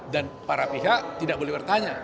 para pihak tidak boleh bertanya